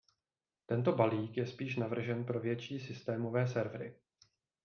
Tento balík je spíš navržen pro větší systémové servery.